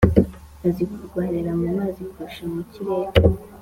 azi kurwanira mu mazi kurusha mu kirere